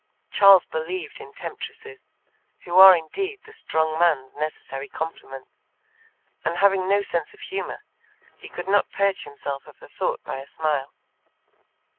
Charles believed in temptresses, who are indeed the strong man's necessary complement, and having no sense of humour, he could not purge himself of the thought by a smile.